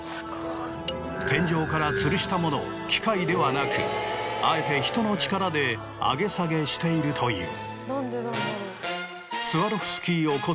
天井から吊るしたものを機械ではなくあえて人の力で上げ下げしているという。